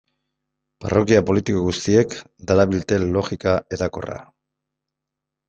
Parrokia politiko guztiek darabilte logika hedakorra.